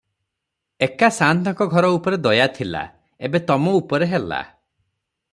ଏକା ସାଆନ୍ତଙ୍କ ଘର ଉପରେ ଦୟା ଥିଲା, ଏବେ ତମ ଉପରେ ହେଲା ।